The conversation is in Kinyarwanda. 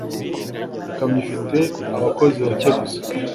Ikamyo ifite abakozi bake gusa.